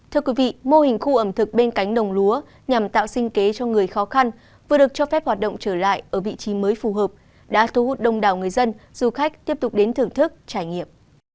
thưa quý vị mô hình khu ẩm thực bên cánh đồng lúa nhằm tạo sinh kế cho người khó khăn vừa được cho phép hoạt động trở lại ở vị trí mới phù hợp đã thu hút đông đảo người dân du khách tiếp tục đến thưởng thức trải nghiệm